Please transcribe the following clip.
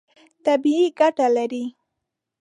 طبیعي ګټه لري.